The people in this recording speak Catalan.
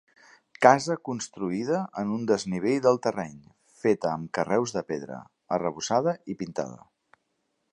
Casa construïda en un desnivell del terreny, feta amb carreus de pedra, arrebossada i pintada.